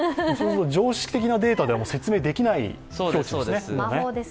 常識的なデータでは説明できない境地ですね。